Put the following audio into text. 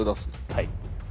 はい。